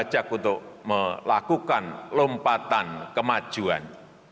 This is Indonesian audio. kita harus berbacak untuk melakukan lompatan kemajuan